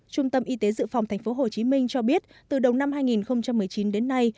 trung tâm y tế dự phòng tp hcm cho biết từ đầu năm hai nghìn một mươi chín đến nay